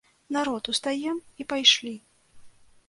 Народ, устаем і пайшлі!